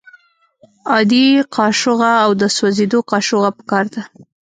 عادي قاشوغه او د سوځیدو قاشوغه پکار ده.